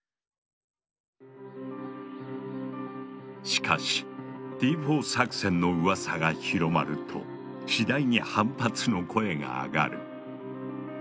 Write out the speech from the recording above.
しかしＴ４作戦のうわさが広まると次第に反発の声が上がる。